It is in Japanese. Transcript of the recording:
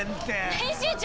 編集長！